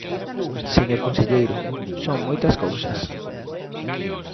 Señor conselleiro, son moitas cousas.